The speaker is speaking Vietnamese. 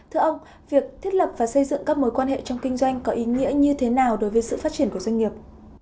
thưa ông việc thiết lập và xây dựng các mối quan hệ trong kinh doanh có ý nghĩa như thế nào đối với sự phát triển của doanh nghiệp